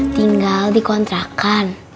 tinggal di kontrakan